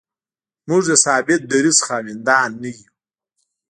موږ د ثابت دریځ خاوندان نه یو.